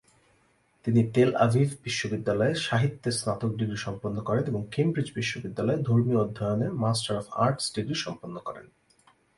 তিনি Tel Aviv বিশ্ববিদ্যালয়ে সাহিত্যে স্নাতক ডিগ্রী সম্পন্ন করেন এবং কেমব্রিজ বিশ্ববিদ্যালয়ে ধর্মীয় অধ্যয়নে মাস্টার অফ আর্টস ডিগ্রি সম্পন্ন করেন।